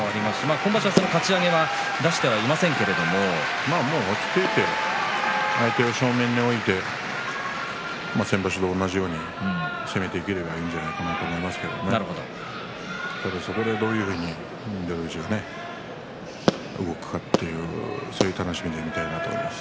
今場所、そのかち上げはもう落ち着いて相手を正面に置いて先場所と同じように攻めていけばいいんじゃないかと思っていますけどそこで、どういうふうに翠富士が動くかという楽しみに見たいと思います。